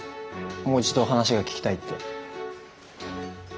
もう一度話が聞きたいって。